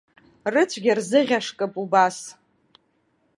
Рыцәгьа рзыӷьашкып убас.